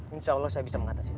insya allah saya bisa mengatasi